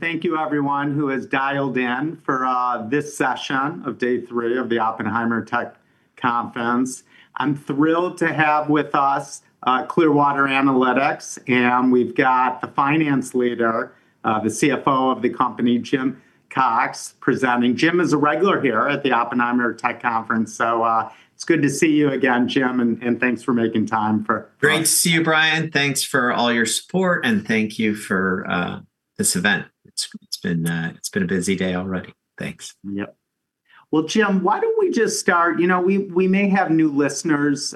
Thank you, everyone, who has dialed in for this session of day three of the Oppenheimer Tech Conference. I'm thrilled to have with us Clearwater Analytics, and we've got the finance leader, the CFO of the company, Jim Cox, presenting. Jim is a regular here at the Oppenheimer Tech Conference, so it's good to see you again, Jim, and thanks for making time for. Great to see you, Brian. Thanks for all your support, and thank you for this event. It's been a busy day already. Thanks. Yep. Well, Jim, why don't we just start? You know, we may have new listeners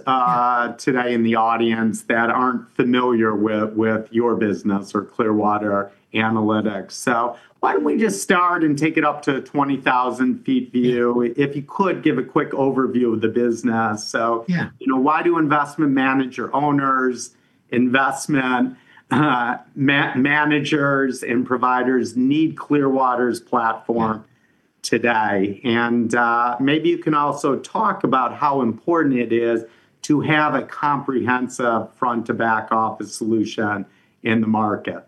today in the audience that aren't familiar with your business or Clearwater Analytics. So why don't we just start and take it up to a 20,000-feet view? If you could, give a quick overview of the business. So why do investment manager owners, investment managers, and providers need Clearwater's platform today? And maybe you can also talk about how important it is to have a comprehensive front-to-back office solution in the market.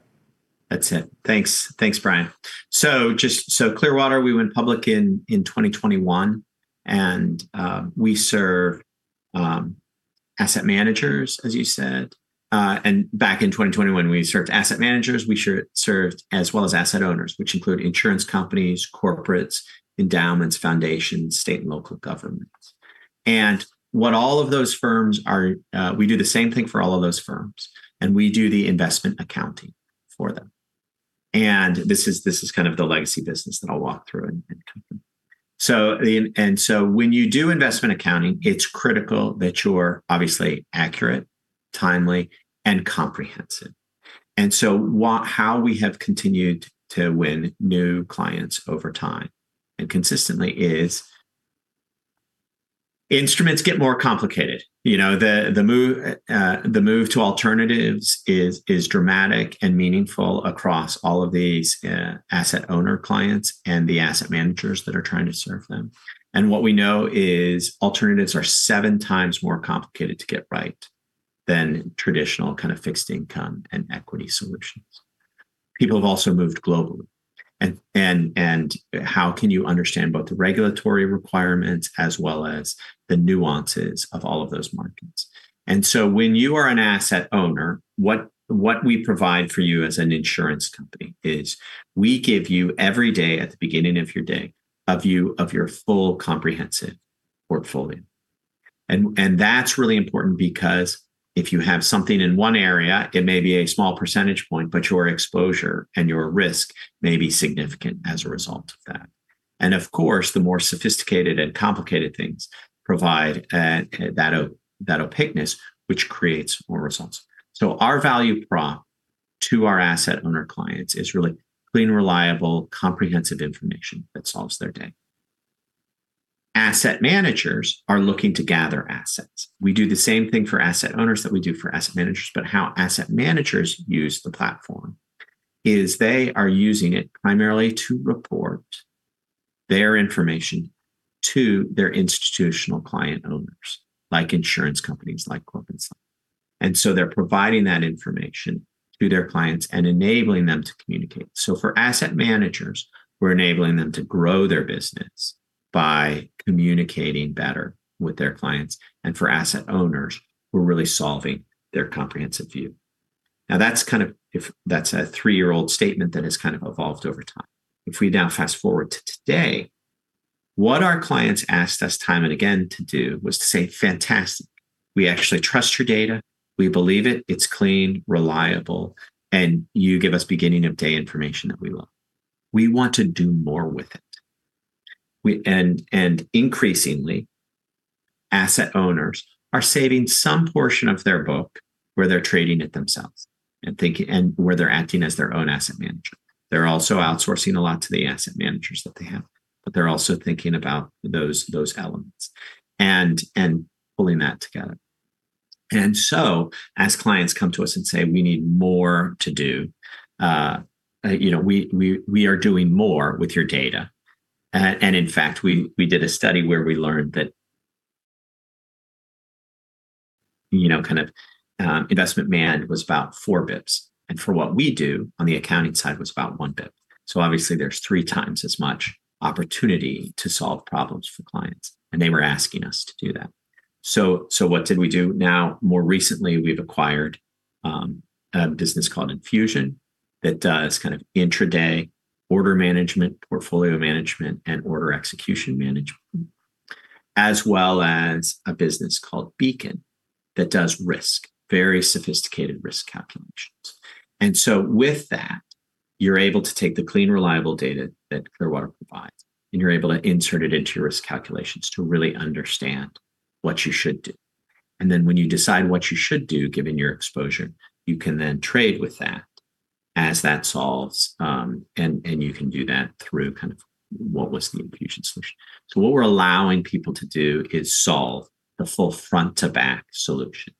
That's it. Thanks, Brian, so Clearwater, we went public in 2021, and we serve asset managers, as you said, and back in 2021, we served asset managers. We served, as well as asset owners, which include insurance companies, corporates, endowments, foundations, state and local governments, and what all of those firms are-- we do the same thing for all of those firms, and we do the investment accounting for them, and this is kind of the legacy business that I'll walk through, and so when you do investment accounting, it's critical that you're obviously accurate, timely, and comprehensive, and so how we have continued to win new clients over time and consistently is instruments get more complicated. The move to alternatives is dramatic and meaningful across all of these asset owner clients and the asset managers that are trying to serve them. And what we know is alternatives are 7x more complicated to get right than traditional kind of fixed income and equity solutions. People have also moved globally. And how can you understand both the regulatory requirements as well as the nuances of all of those markets? And so when you are an asset owner, what we provide for you as an insurance company is we give you every day at the beginning of your day a view of your full comprehensive portfolio. And that's really important because if you have something in one area, it may be a small percentage point, but your exposure and your risk may be significant as a result of that. And of course, the more sophisticated and complicated things provide that opaqueness, which creates more results. So our value prop to our asset owner clients is really clean, reliable, comprehensive information that solves their day. Asset managers are looking to gather assets. We do the same thing for asset owners that we do for asset managers, but how asset managers use the platform is they are using it primarily to report their information to their institutional client owners, like insurance companies like Corbin's. And so they're providing that information to their clients and enabling them to communicate. So for asset managers, we're enabling them to grow their business by communicating better with their clients. And for asset owners, we're really solving their comprehensive view. Now, that's kind of a three-year-old statement that has kind of evolved over time. If we now fast forward to today, what our clients asked us time and again to do was to say, "Fantastic. We actually trust your data. We believe it. It's clean, reliable, and you give us beginning-of-day information that we love. We want to do more with it. And increasingly, asset owners are saving some portion of their book where they're trading it themselves and where they're acting as their own asset manager. They're also outsourcing a lot to the asset managers that they have, but they're also thinking about those elements and pulling that together. And so as clients come to us and say, "We need more to do, we are doing more with your data." And in fact, we did a study where we learned that kind of investment management was about four basis points. And for what we do on the accounting side, it was about one basis point. So obviously, there's three times as much opportunity to solve problems for clients, and they were asking us to do that. So what did we do? Now, more recently, we've acquired a business called Enfusion that does kind of intraday order management, portfolio management, and order execution management, as well as a business called Beacon that does risk, very sophisticated risk calculations. And so with that, you're able to take the clean, reliable data that Clearwater provides, and you're able to insert it into your risk calculations to really understand what you should do. And then when you decide what you should do, given your exposure, you can then trade with that as that solves, and you can do that through kind of what was the Enfusion solution. So what we're allowing people to do is solve the full front-to-back solution.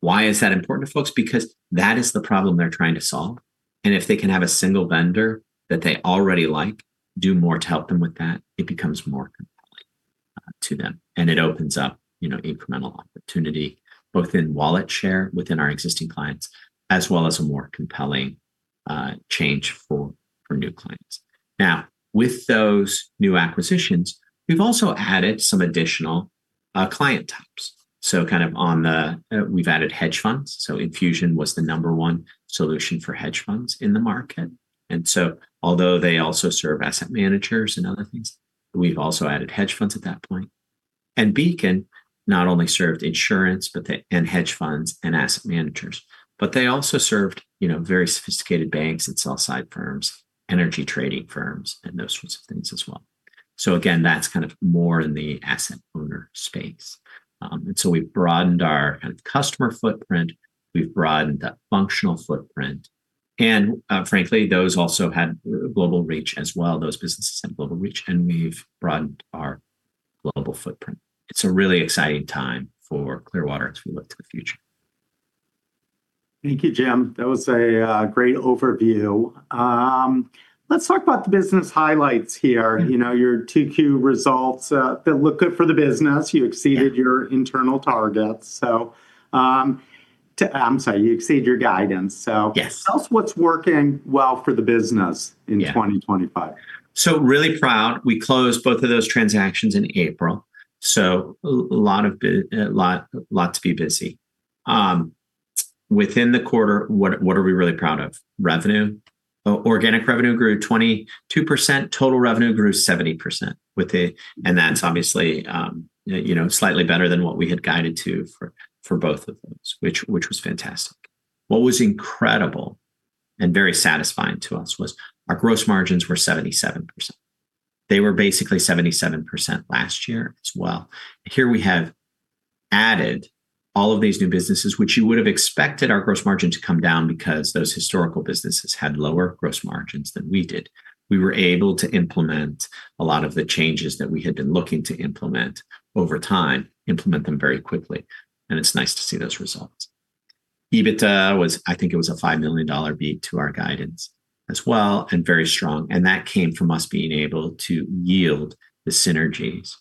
Why is that important to folks? Because that is the problem they're trying to solve. And if they can have a single vendor that they already like, do more to help them with that, it becomes more compelling to them. And it opens up incremental opportunity both in wallet share within our existing clients, as well as a more compelling change for new clients. Now, with those new acquisitions, we've also added some additional client types. So, we've added hedge funds. So Enfusion was the number one solution for hedge funds in the market. And so, although they also serve asset managers and other things, we've also added hedge funds at that point. And Beacon not only served insurance and hedge funds and asset managers, but they also served very sophisticated banks and sell-side firms, energy trading firms, and those sorts of things as well. So again, that's kind of more in the asset owner space. And so we've broadened our kind of customer footprint. We've broadened that functional footprint. And frankly, those also had global reach as well. Those businesses had global reach, and we've broadened our global footprint. It's a really exciting time for Clearwater as we look to the future. Thank you, Jim. That was a great overview. Let's talk about the business highlights here. Your Q2 results that look good for the business. You exceeded your internal targets. I'm sorry, you exceeded your guidance. So tell us what's working well for the business in 2025. So really proud. We closed both of those transactions in April. So a lot to be busy. Within the quarter, what are we really proud of? Revenue. Organic revenue grew 22%. Total revenue grew 70%. And that's obviously slightly better than what we had guided to for both of those, which was fantastic. What was incredible and very satisfying to us was our gross margins were 77%. They were basically 77% last year as well. Here we have added all of these new businesses, which you would have expected our gross margin to come down because those historical businesses had lower gross margins than we did. We were able to implement a lot of the changes that we had been looking to implement over time, implement them very quickly. And it's nice to see those results. EBITDA was, I think it was a $5 million beat to our guidance as well and very strong. And that came from us being able to yield the synergies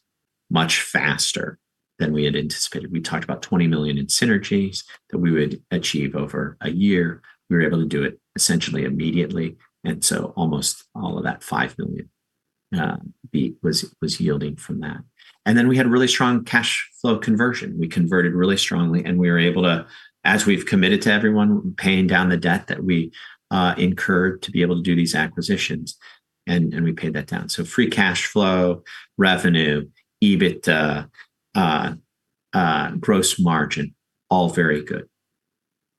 much faster than we had anticipated. We talked about $20 million in synergies that we would achieve over a year. We were able to do it essentially immediately. And so almost all of that $5 million beat was yielding from that. And then we had really strong cash flow conversion. We converted really strongly, and we were able to, as we've committed to everyone, paying down the debt that we incurred to be able to do these acquisitions, and we paid that down. So, free cash flow, revenue, EBITDA, gross margin, all very good.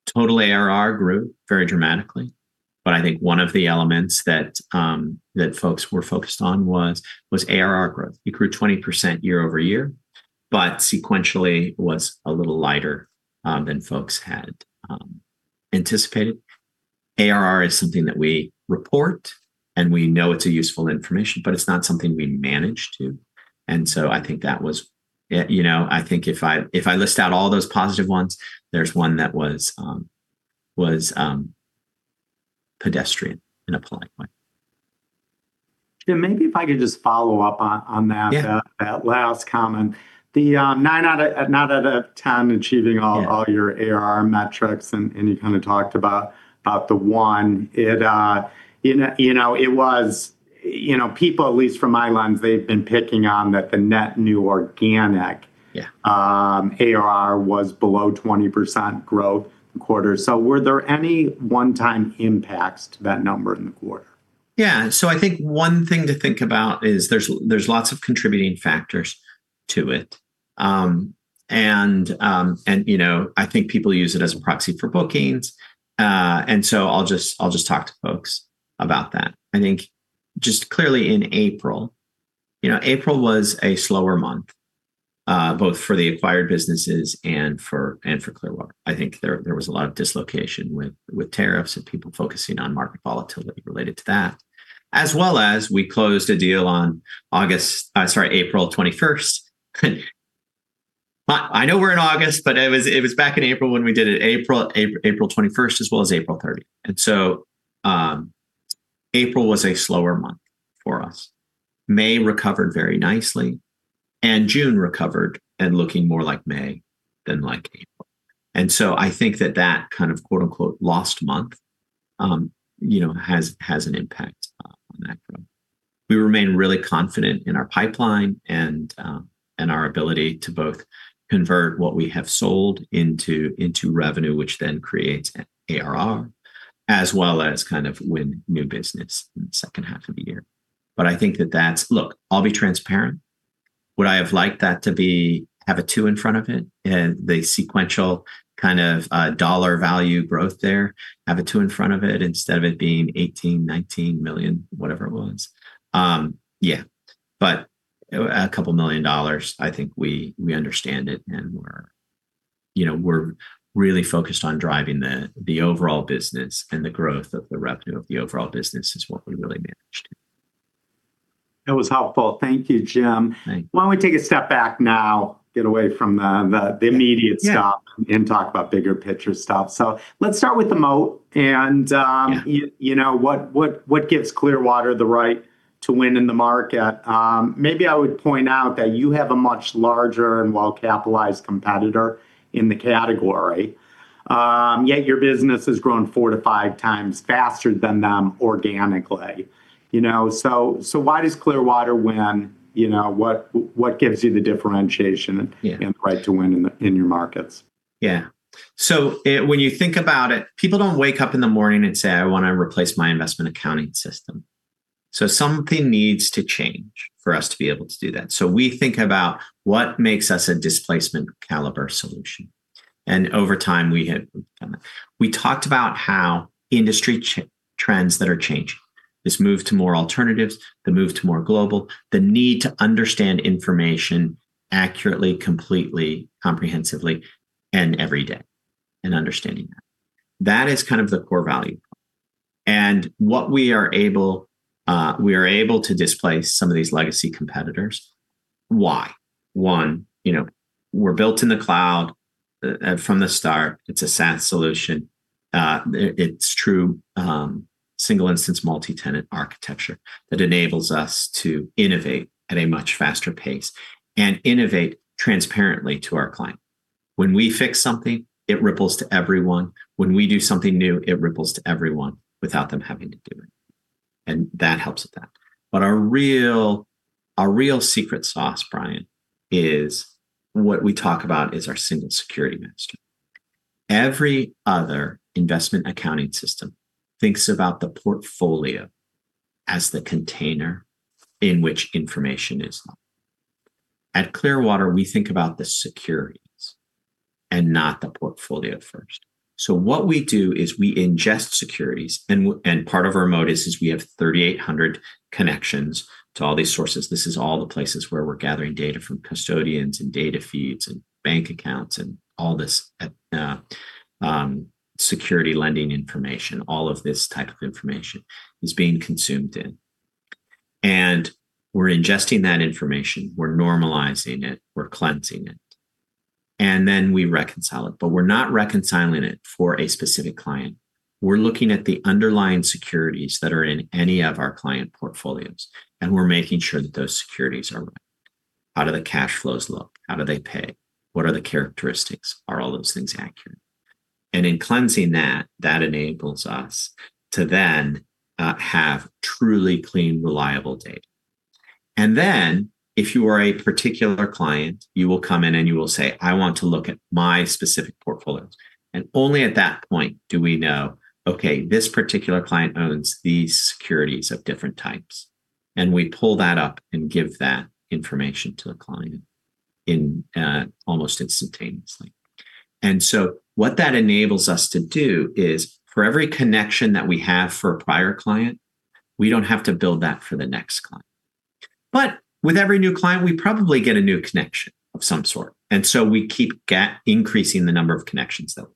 Total ARR grew very dramatically, but I think one of the elements that folks were focused on was ARR growth. It grew 20% year-over-year, but sequentially was a little lighter than folks had anticipated. ARR is something that we report, and we know it's useful information, but it's not something we manage to, and so I think that was,--I think if I list out all those positive ones, there's one that was pedestrian in a polite way. Jim, maybe if I could just follow up on that last comment. The 9 out of 10 achieving all your ARR metrics, and you kind of talked about the one. It was,--people, at least from my lens, they've been picking on that the net new organic ARR was below 20% growth in the quarter. So were there any one-time impacts to that number in the quarter? Yeah. So I think one thing to think about is there's lots of contributing factors to it. And I think people use it as a proxy for bookings. And so I'll just talk to folks about that. I think just clearly in April, April was a slower month, both for the acquired businesses and for Clearwater. I think there was a lot of dislocation with tariffs and people focusing on market volatility related to that, as well as we closed a deal on August, sorry, April 21st. I know we're in August, but it was back in April when we did it, April 21st as well as April 30th. And so April was a slower month for us. May recovered very nicely, and June recovered and looking more like May than like April. And so I think that that kind of "lost month" has an impact on that growth. We remain really confident in our pipeline and our ability to both convert what we have sold into revenue, which then creates ARR, as well as kind of win new business in the second half of the year. But I think that that's, look, I'll be transparent. Would I have liked that to have a 2 in front of it? The sequential kind of dollar value growth there, have a two in front of it instead of it being $18million-$19 million, whatever it was. Yeah. But a couple of million dollars, I think we understand it, and we're really focused on driving the overall business and the growth of the revenue of the overall business is what we really managed to. That was helpful. Thank you, Jim. Thank you. Why don't we take a step back now, get away from the immediate stuff, and talk about bigger picture stuff? So let's start with the moat and what gives Clearwater the right to win in the market. Maybe I would point out that you have a much larger and well-capitalized competitor in the category, yet your business has grown 4-5x faster than them organically. So why does Clearwater win? What gives you the differentiation and the right to win in your markets? Yeah. So when you think about it, people don't wake up in the morning and say, "I want to replace my investment accounting system." So something needs to change for us to be able to do that. So we think about what makes us a displacement-caliber solution. And over time, we talked about how industry trends that are changing, this move to more alternatives, the move to more global, the need to understand information accurately, completely, comprehensively, and every day and understanding that. That is kind of the core value. And what we are able to displace some of these legacy competitors. Why? One, we're built in the cloud from the start. It's a SaaS solution. It's true single-instance multi-tenant architecture that enables us to innovate at a much faster pace and innovate transparently to our client. When we fix something, it ripples to everyone. When we do something new, it ripples to everyone without them having to do it. And that helps with that. But our real secret sauce, Brian, is what we talk about is our single security master. Every other investment accounting system thinks about the portfolio as the container in which information is held. At Clearwater, we think about the securities and not the portfolio first. So what we do is we ingest securities, and part of our moat is we have 3,800 connections to all these sources. This is all the places where we're gathering data from custodians and data feeds and bank accounts and all this security lending information. All of this type of information is being consumed in. And we're ingesting that information. We're normalizing it. We're cleansing it. And then we reconcile it. But we're not reconciling it for a specific client. We're looking at the underlying securities that are in any of our client portfolios, and we're making sure that those securities are right. How do the cash flows look? How do they pay? What are the characteristics? Are all those things accurate? And in cleansing that, that enables us to then have truly clean, reliable data. And then if you are a particular client, you will come in, and you will say, "I want to look at my specific portfolios." And only at that point do we know, "Okay, this particular client owns these securities of different types." And we pull that up and give that information to the client almost instantaneously. And so what that enables us to do is for every connection that we have for a prior client, we don't have to build that for the next client. But with every new client, we probably get a new connection of some sort. And so we keep increasing the number of connections that we have.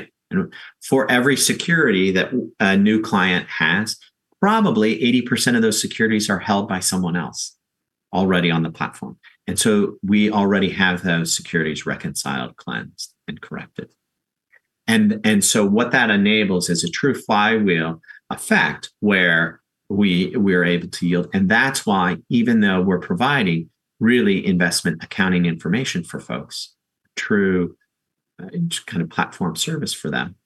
Right? And for every security that a new client has, probably 80% of those securities are held by someone else already on the platform. And so we already have those securities reconciled, cleansed, and corrected. And so what that enables is a true flywheel effect where we are able to yield. And that's why, even though we're providing really investment accounting information for folks, true kind of platform service for them,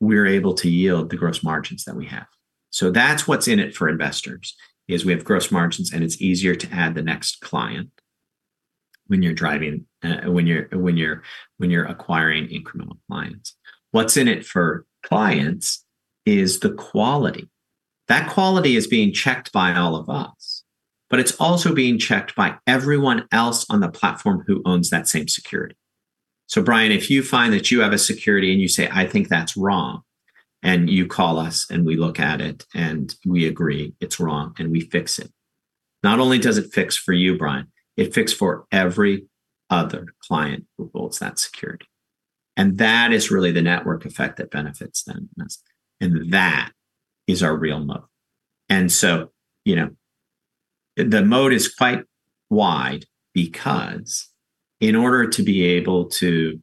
we're able to yield the gross margins that we have. So that's what's in it for investors is we have gross margins, and it's easier to add the next client when you're acquiring incremental clients. What's in it for clients is the quality. That quality is being checked by all of us, but it's also being checked by everyone else on the platform who owns that same security. So Brian, if you find that you have a security and you say, "I think that's wrong," and you call us and we look at it and we agree it's wrong and we fix it, not only does it fix for you, Brian, it fixed for every other client who holds that security. And that is really the network effect that benefits them. And that is our real moat. And so the moat is quite wide because in order to be able to,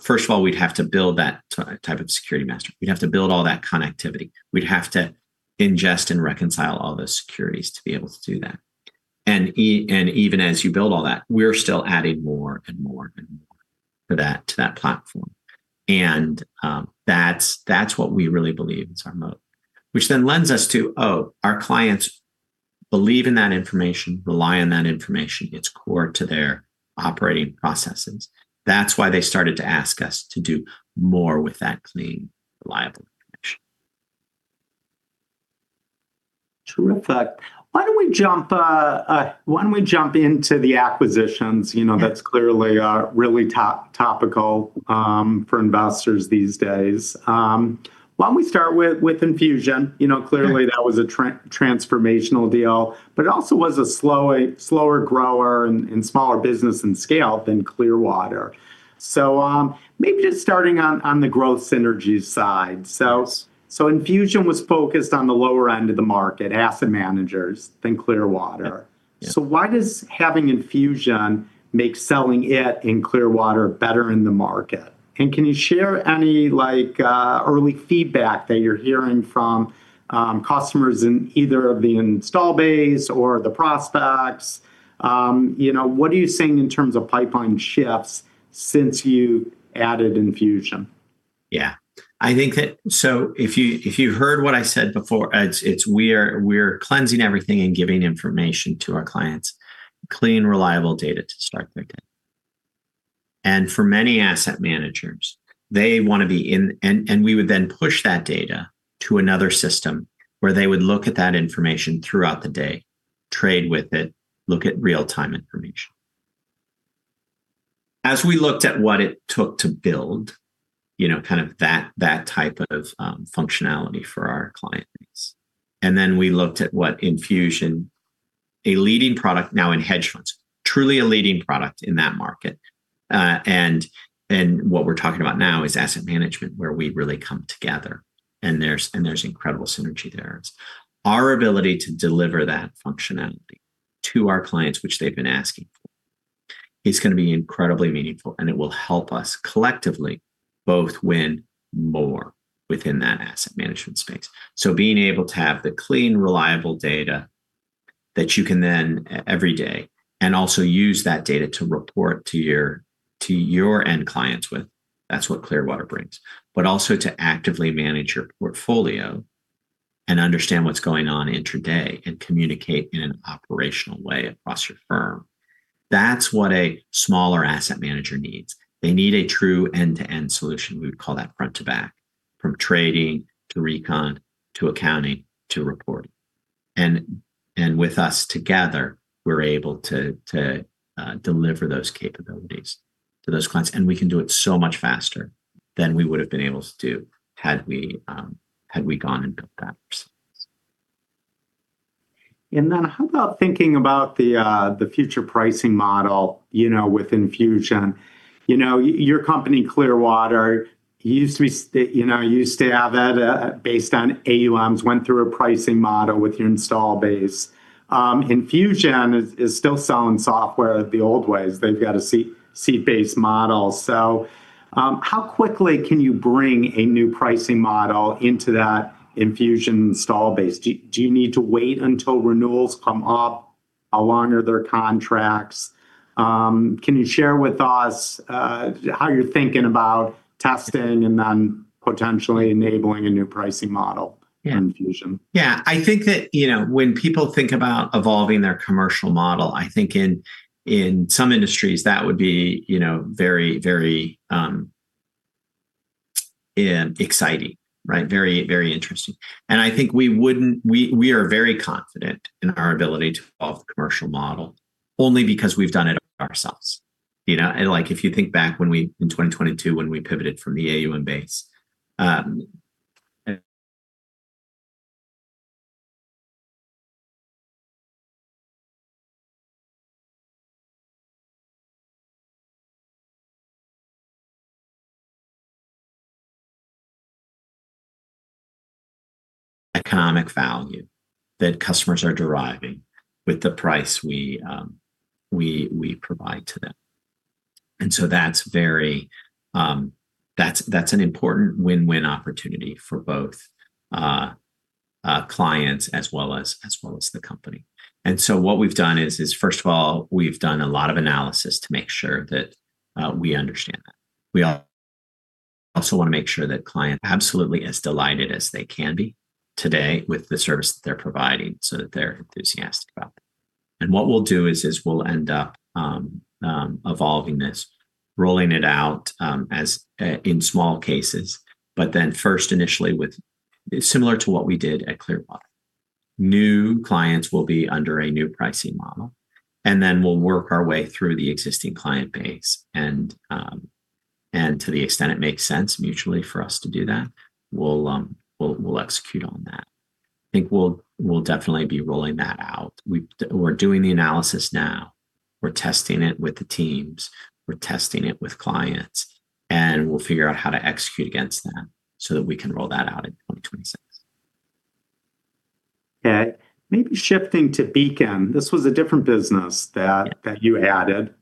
first of all, we'd have to build that type of security master. We'd have to build all that connectivity. We'd have to ingest and reconcile all those securities to be able to do that. And even as you build all that, we're still adding more and more and more to that platform. And that's what we really believe is our moat, which then lends us to, oh, our clients believe in that information, rely on that information. It's core to their operating processes. That's why they started to ask us to do more with that clean, reliable information. Terrific. Why don't we jump into the acquisitions? You know, that's clearly really topical for investors these days. Why don't we start with Enfusion? You know, clearly that was a transformational deal, but it also was a slower grower and smaller business in scale than Clearwater. So maybe just starting on the growth synergy side. So Enfusion was focused on the lower end of the market, asset managers, than Clearwater. So why does having Enfusion make selling it and Clearwater better in the market? And can you share any early feedback that you're hearing from customers in either of the installed base or the prospects? You know, what are you seeing in terms of pipeline shifts since you added Enfusion? Yeah. I think that, so if you've heard what I said before, it's we're cleansing everything and giving information to our clients, clean, reliable data to start their day. And for many asset managers, they want to be in, and we would then push that data to another system where they would look at that information throughout the day, trade with it, look at real-time information. As we looked at what it took to build, you know, kind of that type of functionality for our client base. And then we looked at what Enfusion, a leading product now in hedge funds, truly a leading product in that market. And what we're talking about now is asset management where we really come together. And there's incredible synergy there. Our ability to deliver that functionality to our clients, which they've been asking for, is going to be incredibly meaningful, and it will help us collectively both win more within that asset management space. So being able to have the clean, reliable data that you can then every day and also use that data to report to your end clients with, that's what Clearwater brings. But also to actively manage your portfolio and understand what's going on intraday and communicate in an operational way across your firm. That's what a smaller asset manager needs. They need a true end-to-end solution. We would call that front-to-back, from trading to recon to accounting to reporting. And with us together, we're able to deliver those capabilities to those clients. We can do it so much faster than we would have been able to do had we gone and built that ourselves. And then how about thinking about the future pricing model, you know, with Enfusion? You know, your company, Clearwater, used to have it based on AUMs, went through a pricing model with your installed base. Enfusion is still selling software the old ways. They've got a seat-based model. So how quickly can you bring a new pricing model into that Enfusion installed base? Do you need to wait until renewals come up? How long are their contracts? Can you share with us how you're thinking about testing and then potentially enabling a new pricing model in Enfusion? Yeah. I think that, when people think about evolving their commercial model, I think in some industries that would be very, very exciting, right? Very, very interesting, and I think we are very confident in our ability to evolve the commercial model only because we've done it ourselves. You know, like if you think back in 2022 when we pivoted from the AUM base economic value that customers are deriving with the price we provide to them, and so that's an important win-win opportunity for both clients as well as the company. And so what we've done is, first of all, we've done a lot of analysis to make sure that we understand that. We also want to make sure that clients are absolutely as delighted as they can be today with the service that they're providing so that they're enthusiastic about it. And what we'll do is we'll end up evolving this, rolling it out in small cases, but then first initially with similar to what we did at Clearwater. New clients will be under a new pricing model, and then we'll work our way through the existing client base. And to the extent it makes sense mutually for us to do that, we'll execute on that. I think we'll definitely be rolling that out. We're doing the analysis now. We're testing it with the teams. We're testing it with clients. And we'll figure out how to execute against that so that we can roll that out in 2026. Okay. Maybe shifting to Beacon. This was a different business that you added.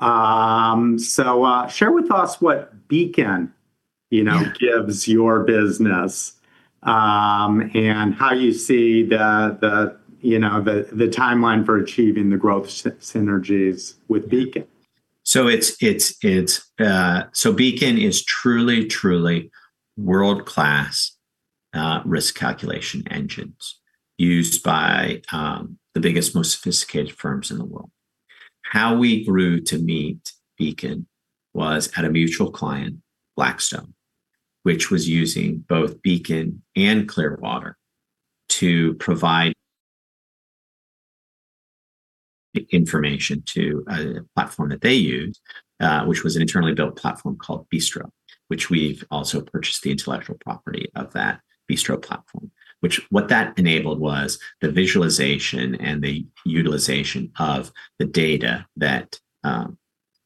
So share with us what Beacon, you know, gives your business, and how you see the timeline for achieving the growth synergies with Beacon. So Beacon is truly, truly world-class risk calculation engines used by the biggest, most sophisticated firms in the world. How we grew to meet Beacon was at a mutual client, Blackstone, which was using both Beacon and Clearwater to provide information to a platform that they used, which was an internally built platform called Bistro, which we've also purchased the intellectual property of that Bistro platform. What that enabled was the visualization and the utilization of the data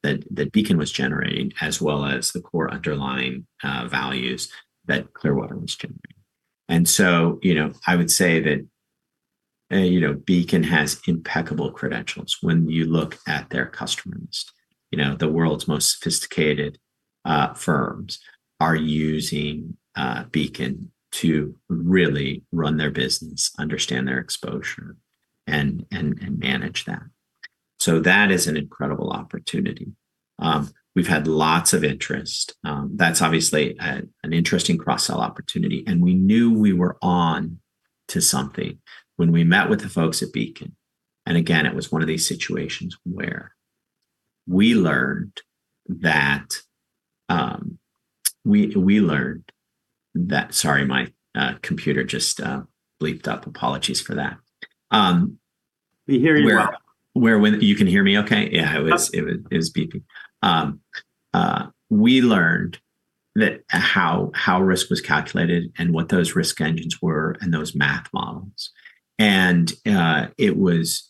that Beacon was generating as well as the core underlying values that Clearwater was generating. And so, you know, I would say that, you know, Beacon has impeccable credentials when you look at their customers. You know, the world's most sophisticated firms are using Beacon to really run their business, understand their exposure, and manage that. So that is an incredible opportunity. We've had lots of interest. That's obviously an interesting cross-sell opportunity. And we knew we were on to something when we met with the folks at Beacon. And again, it was one of these situations where we learned that, sorry, my computer just bleeped up. Apologies for that. We hear you well. You can hear me okay? Yeah, it was beeping. We learned how risk was calculated and what those risk engines were and those math models. And it was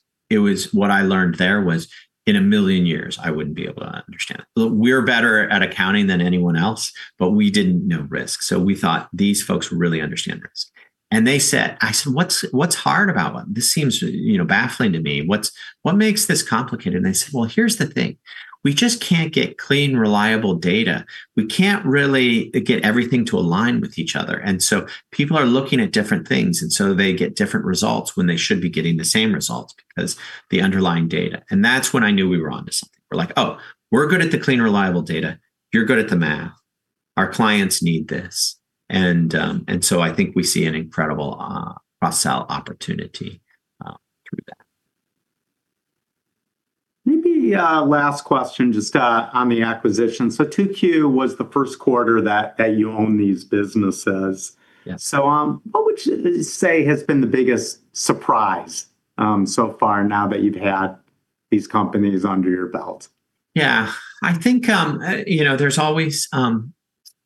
what I learned there was in a million years, I wouldn't be able to understand. We're better at accounting than anyone else, but we didn't know risk. So we thought these folks really understand risk. And they said. I said, "What's hard about it? This seems baffling to me. What makes this complicated?" And they said, "Well, here's the thing. We just can't get clean, reliable data. We can't really get everything to align with each other." And so people are looking at different things, and so they get different results when they should be getting the same results because of the underlying data. And that's when I knew we were onto something. We're like, "Oh, we're good at the clean, reliable data. You're good at the math. Our clients need this." And so I think we see an incredible cross-sell opportunity through that. Maybe last question, just on the acquisition. So 2Q was the first quarter that you owned these businesses. So what would you say has been the biggest surprise so far now that you've had these companies under your belt? Yeah. I think, you know, there's always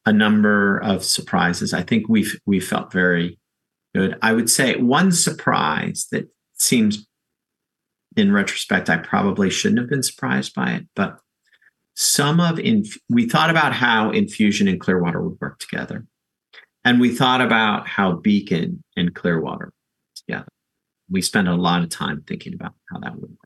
a number of surprises. I think we felt very good. I would say one surprise that seems in retrospect, I probably shouldn't have been surprised by it, but some of we thought about how Enfusion and Clearwater would work together. And we thought about how Beacon and Clearwater worked together. We spent a lot of time thinking about how that would work.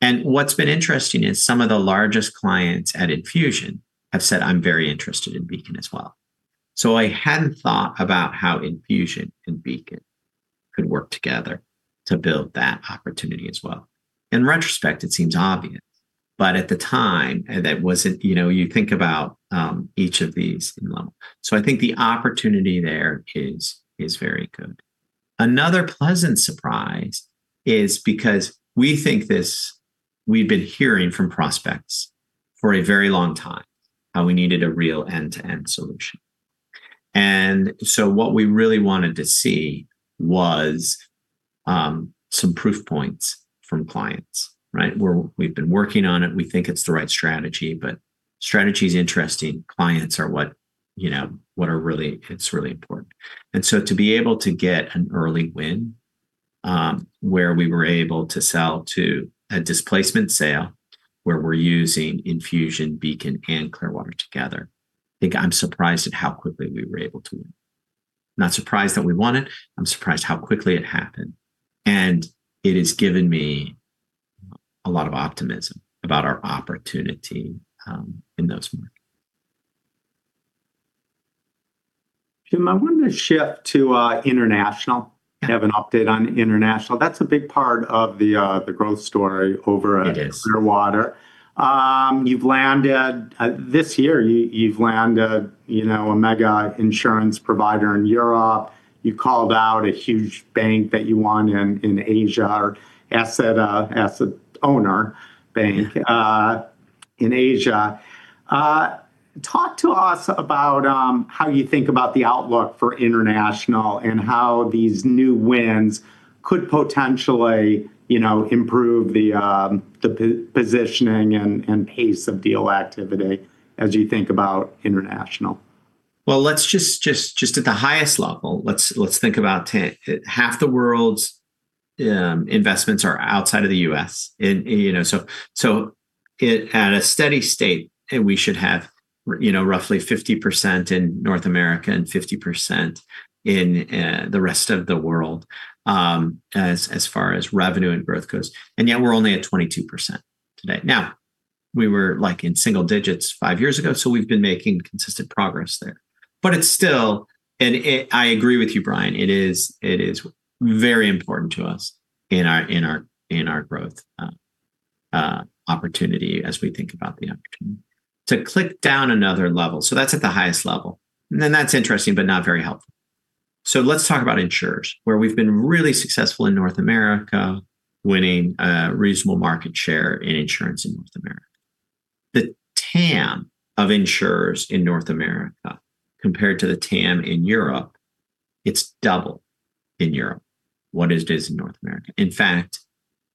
And what's been interesting is some of the largest clients at Enfusion have said, "I'm very interested in Beacon as well." So I hadn't thought about how Enfusion and Beacon could work together to build that opportunity as well. In retrospect, it seems obvious, but at the time, you know, you think about each of these in level. So I think the opportunity there is very good. Another pleasant surprise is that we've been hearing from prospects for a very long time how we needed a real end-to-end solution. So what we really wanted to see was some proof points from clients, right? We've been working on it. We think it's the right strategy, but strategy is interesting. Clients are what are really, it's really important. To be able to get an early win where we were able to sell to a displacement sale where we're using Enfusion, Beacon, and Clearwater together, I think I'm surprised at how quickly we were able to win. I'm not surprised that we won it. I'm surprised how quickly it happened. It has given me a lot of optimism about our opportunity in those markets. Jim, I wanted to shift to international. Have an update on international. That's a big part of the growth story over at Clearwater. You've landed this year, you've landed, you know, a mega insurance provider in Europe. You called out a huge bank that you won in Asia, asset owner bank in Asia. Talk to us about how you think about the outlook for international and how these new wins could potentially, you know, improve the positioning and pace of deal activity as you think about international. Let's just at the highest level, let's think about half the world's investments are outside of the U.S. You know, so at a steady state, we should have, you know, roughly 50% in North America and 50% in the rest of the world as far as revenue and growth goes. And yet we're only at 22% today. Now, we were like in single digits five years ago, so we've been making consistent progress there. But it's still, and I agree with you, Brian, it is very important to us in our growth opportunity as we think about the opportunity. To drill down another level, so that's at the highest level, and then that's interesting, but not very helpful. Let's talk about insurers where we've been really successful in North America winning a reasonable market share in insurance in North America. The TAM of insurers in North America compared to the TAM in Europe, it's double in Europe what it is in North America. In fact,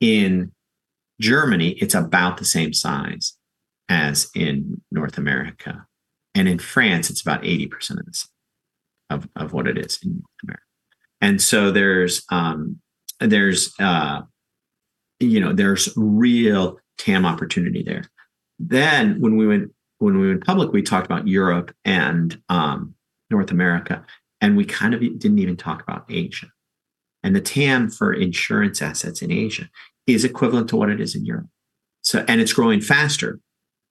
in Germany, it's about the same size as in North America. And in France, it's about 80% of the size of what it is in North America. And so there's, real TAM opportunity there. Then when we went public, we talked about Europe and North America, and we kind of didn't even talk about Asia. And the TAM for insurance assets in Asia is equivalent to what it is in Europe. And it's growing faster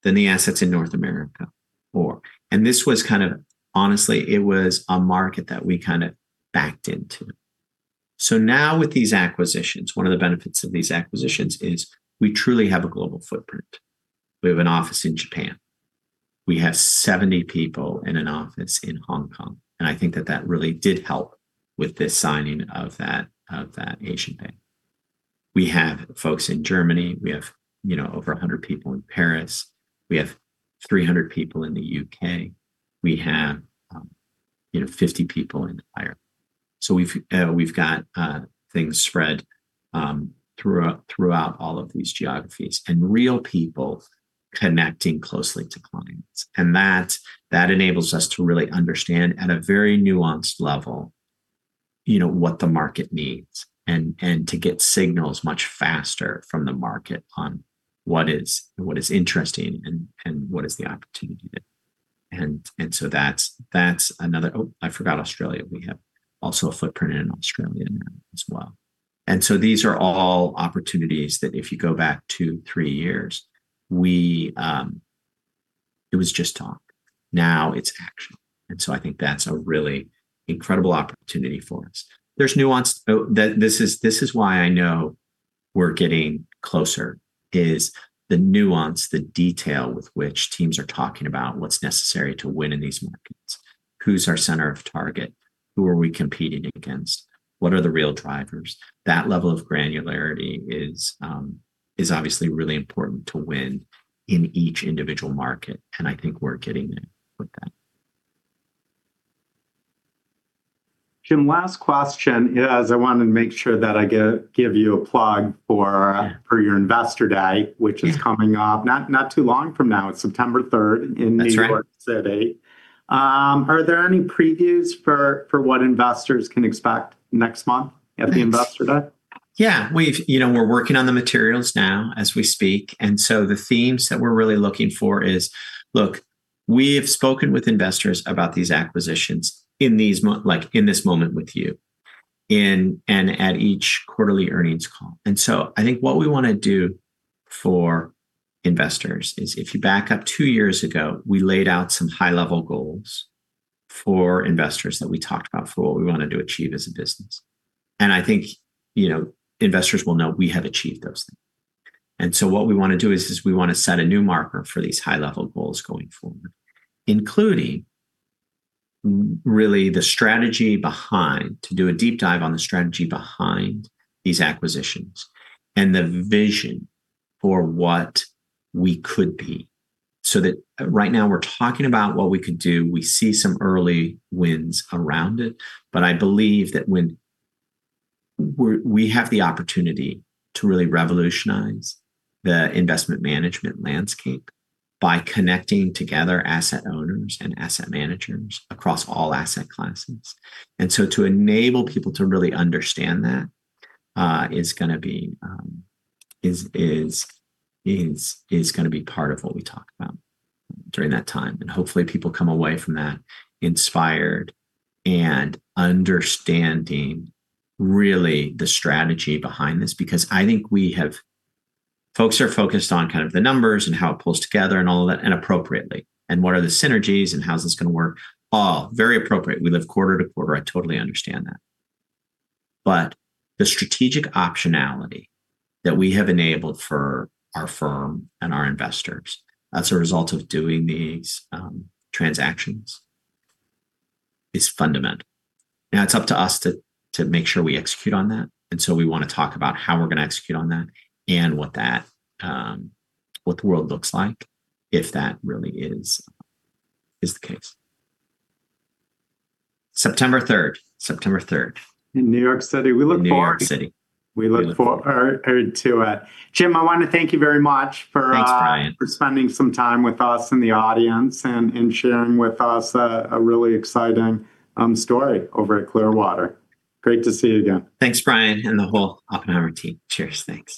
than the assets in North America or, and this was kind of honestly, it was a market that we kind of backed into. So now with these acquisitions, one of the benefits of these acquisitions is we truly have a global footprint. We have an office in Japan. We have 70 people in an office in Hong Kong. And I think that that really did help with the signing of that Asian bank. We have folks in Germany. We have over 100 people in Paris. We have 300 people in the U.K. We have 50 people in Ireland. So we've got things spread throughout all of these geographies and real people connecting closely to clients. And that enables us to really understand at a very nuanced level, you know, what the market needs and to get signals much faster from the market on what is interesting and what is the opportunity there. And so that's another, oh, I forgot Australia. We have also a footprint in Australia now as well. And so these are all opportunities that if you go back two, three years, it was just talk. Now it's action. And so I think that's a really incredible opportunity for us. There's nuance. This is why I know we're getting closer is the nuance, the detail with which teams are talking about what's necessary to win in these markets. Who's our center of target? Who are we competing against? What are the real drivers? That level of granularity is obviously really important to win in each individual market. And I think we're getting there with that. Jim, last question is I wanted to make sure that I give you a plug for your Investor Day, which is coming up not too long from now. It's September 3rd in New York City. Are there any previews for what investors can expect next month at the Investor Day? Yeah. You know, we're working on the materials now as we speak. And so the themes that we're really looking for is, look, we have spoken with investors about these acquisitions in this moment with you and at each quarterly earnings call. And so I think what we want to do for investors is if you back up two years ago, we laid out some high-level goals for investors that we talked about for what we wanted to achieve as a business. And I think, investors will know we have achieved those things. And so what we want to do is we want to set a new marker for these high-level goals going forward, including really the strategy behind to do a deep dive on the strategy behind these acquisitions and the vision for what we could be. So that right now we're talking about what we could do. We see some early wins around it, but I believe that when we have the opportunity to really revolutionize the investment management landscape by connecting together asset owners and asset managers across all asset classes, and so to enable people to really understand that is going to be part of what we talk about during that time, and hopefully people come away from that inspired and understanding really the strategy behind this because I think we have folks who are focused on kind of the numbers and how it pulls together and all of that and appropriately and what are the synergies and how's this going to work. Oh, very appropriate. We live quarter-to- quarter. I totally understand that. But the strategic optionality that we have enabled for our firm and our investors as a result of doing these transactions is fundamental. Now it's up to us to make sure we execute on that. And so we want to talk about how we're going to execute on that and what the world looks like if that really is the case. September 3rd. In New York City. We look forward. New York City. We look forward to it. Jim, I want to thank you very much for. Thanks, Brian. Spending some time with us in the audience and sharing with us a really exciting story over at Clearwater. Great to see you again. Thanks, Brian and the whole Oppenheimer team. Cheers. Thanks.